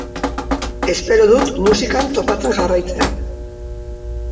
Espero dut musikan topatzen jarraitzea.